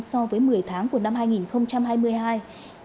doanh số bán hàng của xe lắp ráp trong nước giảm hai so với tháng trước